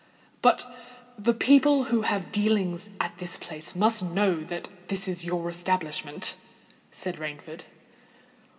"But the people who have dealings at this place must know that it is your establishment?" said Rainford.